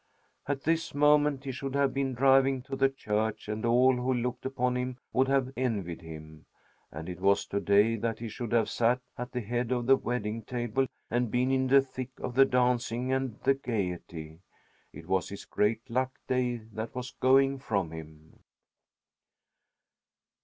At this moment he should have been driving to the church, and all who looked upon him would have envied him. And it was to day that he should have sat at the head of the wedding table and been in the thick of the dancing and the gayety. It was his great luck day that was going from him.